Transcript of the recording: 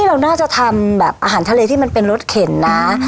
เราน่าจะทำแบบอาหารทะเลที่มันเป็นรสเข็นนะ